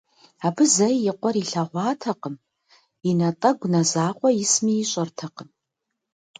Абы зэи и къуэр илъэгъуатэкъым, и натӏэгу нэ закъуэ исми ищӏэртэкъым.